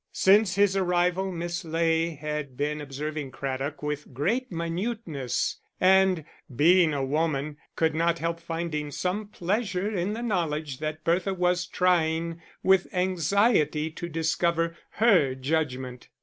Since his arrival Miss Ley had been observing Craddock with great minuteness, and, being a woman, could not help finding some pleasure in the knowledge that Bertha was trying with anxiety to discover her judgment.